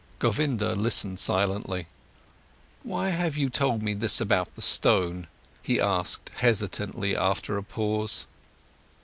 Govinda listened silently. "Why have you told me this about the stone?" he asked hesitantly after a pause.